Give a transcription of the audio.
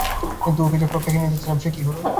বিধু, ওকে যে ফ্রকটা কিনে দিয়েছিলেম সে কী হল।